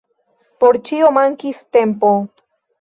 Por ĉio mankis tempo.